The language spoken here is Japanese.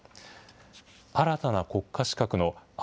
新たな国家資格の愛玩